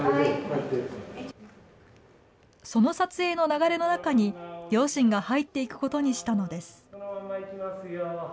その撮影の流れの中に両親が入っていくことにしたのです。